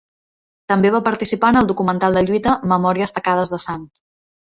També va participar en el documental de lluita, "Memòries tacades de sang".